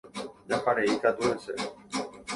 Jaharei katu hese